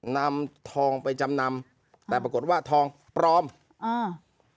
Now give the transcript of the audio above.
นำทองไปจำนำแต่ปรากฏว่าทองปลอมอ่า